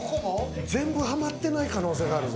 全部ハマってない可能性があるぞ。